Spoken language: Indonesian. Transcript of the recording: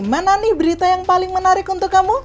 mana nih berita yang paling menarik untuk kamu